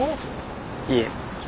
いえ。